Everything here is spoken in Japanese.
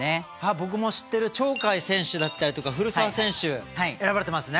僕も知ってる鳥海選手だったりとか古澤選手選ばれてますね。